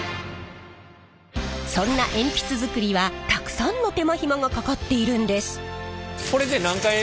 そんな鉛筆作りはたくさんの手間暇がかかっているんです！